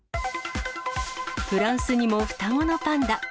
フランスにも双子のパンダ。